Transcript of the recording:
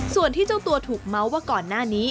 ส่วนที่เจ้าตัวถูกเมาส์ว่าก่อนหน้านี้